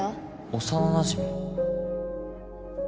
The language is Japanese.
幼なじみ